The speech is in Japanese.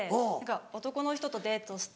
男の人とデートして。